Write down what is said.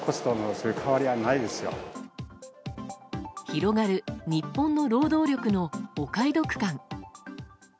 広がる日本の労働力のお買い得感。